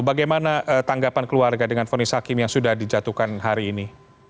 bagaimana tanggapan keluarga dengan fonis hakim yang sudah dijatuhkan hari ini